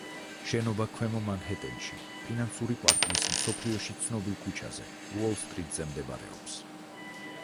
შენობა ქვემო მანჰეტენში, ფინანსური კვარტლის მსოფლიოში ცნობილ ქუჩაზე, უოლ სტრიტზე მდებარეობს.